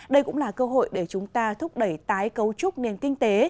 đây cũng là cơ hội để chúng ta thúc đẩy tái cấu trúc nền kinh tế